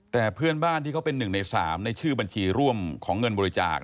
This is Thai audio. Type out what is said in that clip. แต่เพื่อนบ้านที่เขาเป็น๑ใน๓ในชื่อบัญชีร่วมของเงินบริจาค